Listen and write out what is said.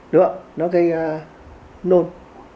đúng không nó gây nôn